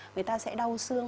người ta sẽ đau xương